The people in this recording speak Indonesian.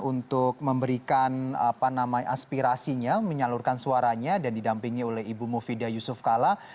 untuk memberikan aspirasinya menyalurkan suaranya dan didampingi oleh ibu mufidah yusuf kala